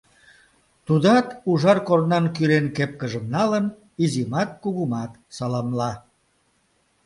Тудат, ужар корнан кӱрен кепкыжым налын, изимат, кугумат саламла.